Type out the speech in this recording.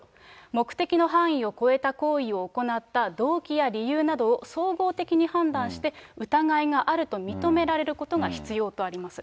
目的の範囲を超えた行為を行った動機や理由などを総合的に判断して、疑いがあると認められることが必要とあります。